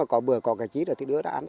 có bữa có cây chít thì đưa ra ăn